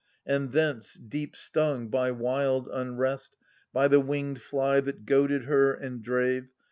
And thence, de^p stung by wild unrest, By the winged fly (that goaded her and drave.